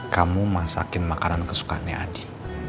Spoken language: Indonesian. kamu masakin makanan kesukaannya adi